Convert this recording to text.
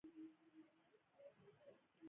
څه پلار دې مړ دی؛ چې لاس تر زنې ناست يې.